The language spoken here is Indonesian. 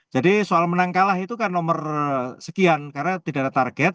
jadi soal menang kalah itu kan nomor sekian karena tidak ada target